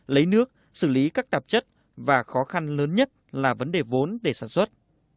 lấy nước xử lý các tạp chất và khó khăn lớn nhất là vấn đề vốn để sản xuất